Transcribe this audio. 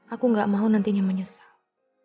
aku gak mau nantinya menyesal